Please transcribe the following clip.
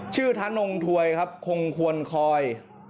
ทะนงถวยครับคงควรคอย